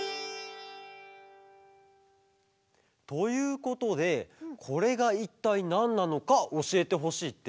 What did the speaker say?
ということでこれがいったいなんなのかおしえてほしいって。